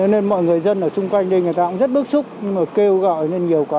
nên mọi người dân ở xung quanh đây người ta cũng rất bức xúc kêu gọi nên nhiều quá